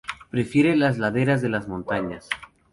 Prefiere las laderas de las montañas.